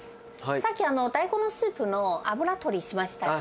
さっき、大根のスープの脂取りしましたよね。